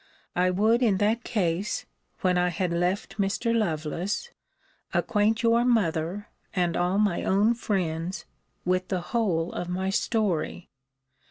I would in that case (when I had left Mr. Lovelace) acquaint your mother, and all my own friends, with the whole of my story.